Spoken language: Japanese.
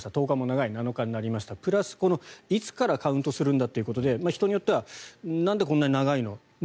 １０日が長い、７日になりましたプラス、いつからカウントするんだということで人によってはなんでこんなに長いの？